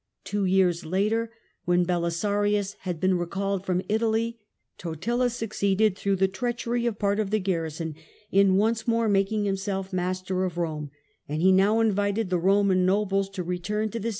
Two years later, when Belisarius had been recalled from Italy, Totila succeeded, through the treachery of part of the garrison, in once more making himself master of Borne, and he now invited the Boman nobles to return to the